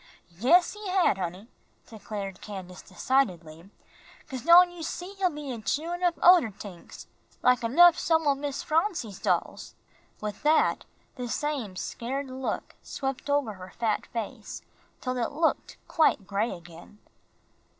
"Yes, he had, honey," declared Candace, decidedly, "'cause don' you see, he'll be a chewin' up oder tings, like enough some o' Miss Phronsie's dolls." With that the same scared look swept over her fat face, till it looked quite gray again.